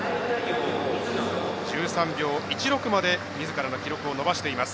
１３秒１６までみずからの記録を伸ばしています。